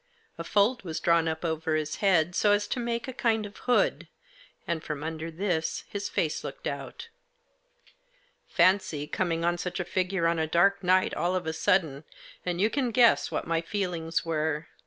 A fold was drawn up over his head, so as to make a kind of hood, and from under this his face looked out. Fancy coming on such a figure, on a dark night, all of a sudden, and you can guess what my feelings were.